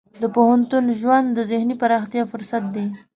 د پوهنتون ژوند د ذهني پراختیا فرصت دی.